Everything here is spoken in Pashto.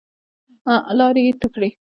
لاړې يې تو کړې.